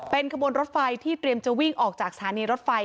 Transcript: เป็นขบวนรถไฟที่เตรียมจะวิ่งออกจากสถานีรถไฟ